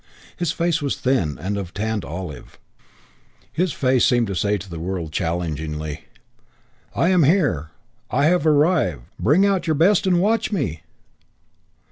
His face was thin and of tanned olive. His face seemed to say to the world, challengingly, "I am here! I have arrived! Bring out your best and watch me!"